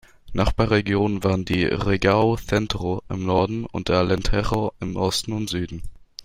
Nachbarregionen waren die Região Centro im Norden und der Alentejo im Osten und Süden.